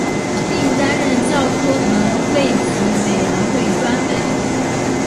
并担任教科文卫体委员会专委。